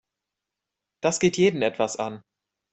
Das geht jeden etwas an.